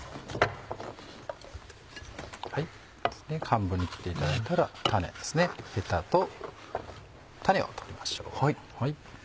半分に切っていただいたらヘタと種を取りましょう。